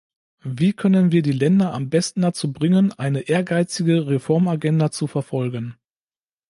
Wie können wir die Länder am besten dazu bringen, eine ehrgeizige Reformagenda zu verfolgen?